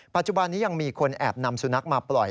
ปัจจุบันนี้ยังมีคนแอบนำสุนัขมาปล่อย